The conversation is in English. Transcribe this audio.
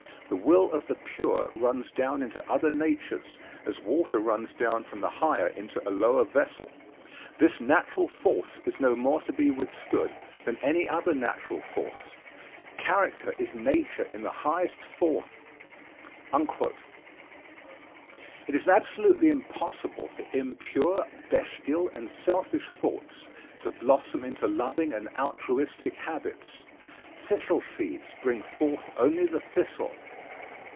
The will of the pure runs down into other natures, as water runs down from a higher into a lower vessel. This natural force is no more to be withstood than any other natural force.... Character is nature in the highest form." It is absolutely impossible for impure, bestial and selfish thoughts to blossom into loving and altruistic habits. Thistle seeds bring forth only the thistle.